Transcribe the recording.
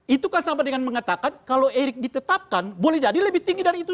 itu kan sama dengan mengatakan kalau erick ditetapkan boleh jadi lebih tinggi dari itu